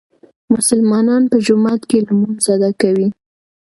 مسلمانان په جومات کې لمونځ ادا کوي.